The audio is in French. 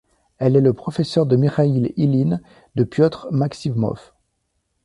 Elle est le professeur de Mikhaïl Iline, de Piotr Maksimov.